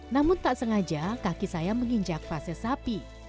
namun tak sengaja kaki saya menginjak fase sapi